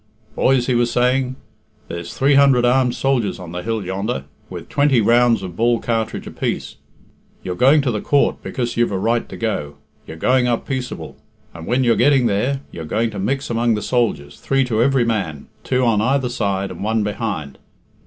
"Boys," he was saying, "there's three hundred armed soldiers on the hill yonder, with twenty rounds of ball cartridge apiece. You're going to the Coort because you've a right to go. You're going up peaceable, and, when you're getting there, you're going to mix among the soldiers, three to every man, two on either side and one behind.